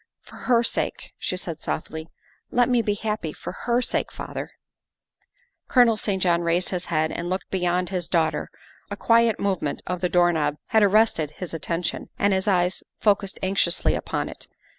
" For her sake," she said softly, " let me be happy for her sake, father." Colonel St. John raised his head and looked beyond his daughter; a quiet movement of the doorknob had arrested his attention, and his eyes focussed anxiously upon it.